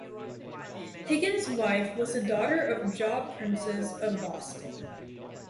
Higgins wife was the daughter of Job Princes of Boston.